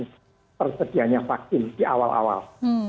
jadi persedianya vaksin di awal awal